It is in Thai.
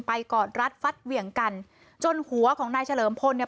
กอดรัดฟัดเหวี่ยงกันจนหัวของนายเฉลิมพลเนี่ย